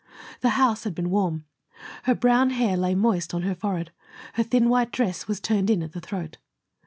The house had been warm. Her brown hair lay moist on her forehead, her thin white dress was turned in at the throat.